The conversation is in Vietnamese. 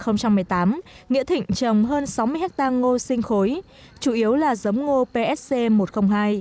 năm hai nghìn một mươi tám nghĩa thịnh trồng hơn sáu mươi hectare ngô sinh khối chủ yếu là giống ngô psc một trăm linh hai